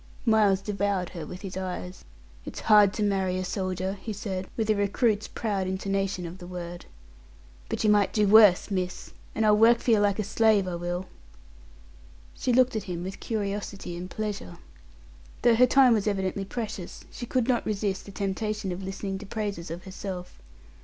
Miles devoured her with his eyes. "It's hard to marry a soldier," he said, with a recruit's proud intonation of the word; "but yer might do worse, miss, and I'll work for yer like a slave, I will." She looked at him with curiosity and pleasure. Though her time was evidently precious, she could not resist the temptation of listening to praises of herself.